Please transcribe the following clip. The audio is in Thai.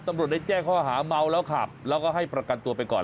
ตำรวจได้แจ้งข้อหาเมาแล้วขับแล้วก็ให้ประกันตัวไปก่อน